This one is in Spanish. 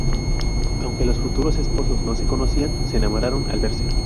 Aunque los futuros esposos no se conocían, se enamoraron al verse.